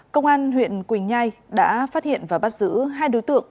công an huyện quỳnh nhai đã phát hiện và bắt giữ hai đối tượng